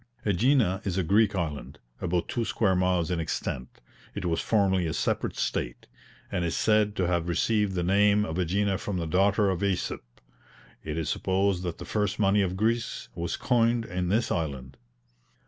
AEgina is a Greek island, about two square miles in extent, it was formerly a separate state, and is said to have received the name of AEgina from the daughter of AEsop. It is supposed that the first money of Greece was coined in this island.